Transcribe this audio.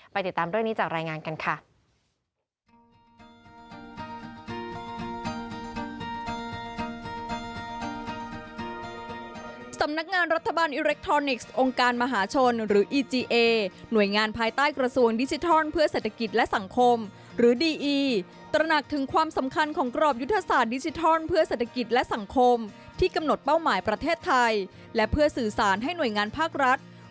ติดตามเรื่องนี้จากรายงานกันค่ะ